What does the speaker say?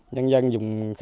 nhân dân dùng